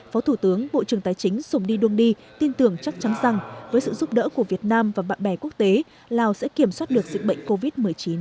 phó thủ tướng bộ trưởng tài chính sùng đi đương đi tin tưởng chắc chắn rằng với sự giúp đỡ của việt nam và bạn bè quốc tế lào sẽ kiểm soát được dịch bệnh covid một mươi chín